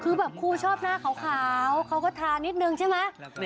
คือแบบครูชอบหน้าขาวเขาก็ทานิดนึงใช่ไหม